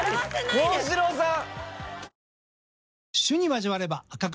幸四郎さん！